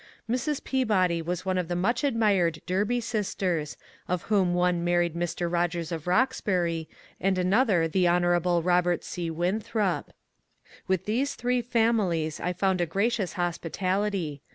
Mrs. Peabody was one of the much admired Derby sisters, of whom one married Mr. Sogers of Boxbury and another the Hon. Bobert C. Winthrop. With these three families I found a gracious hospitality.